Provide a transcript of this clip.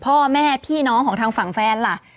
พ่อแม่พี่น้องของทางฝั่งแฟนล่ะ